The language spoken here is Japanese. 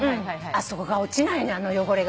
あそこが落ちないのよ汚れが。